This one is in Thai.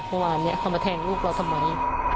เมื่อวานนี้เขามาแทงลูกเราทำไม